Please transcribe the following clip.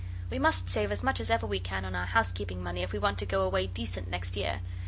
We must save as much as ever we can on our housekeeping money if we want to go away decent next year.